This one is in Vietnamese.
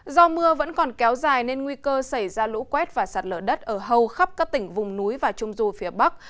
do mưa vẫn còn kéo dài nên nguy cơ xảy ra lũ quét và sạt lở đất ở hầu khắp các tỉnh vùng núi và trung du phía bắc